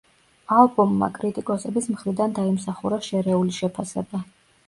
ალბომმა კრიტიკოსების მხრიდან დაიმსახურა შერეული შეფასება.